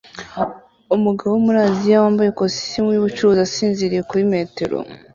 Umugabo wo muri Aziya wambaye ikositimu yubucuruzi asinziriye kuri metero